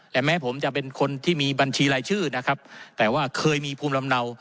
และแม้ผมจะเป็นคนที่มีบัญชีรายชื่อนะครับแต่ว่าเคยมีภูมิลำเนา